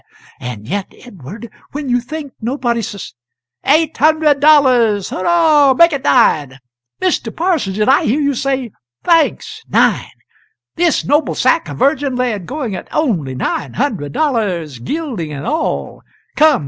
"] And yet, Edward, when you think nobody susp ["Eight hundred dollars! hurrah! make it nine! Mr. Parsons, did I hear you say thanks! nine! this noble sack of virgin lead going at only nine hundred dollars, gilding and all come!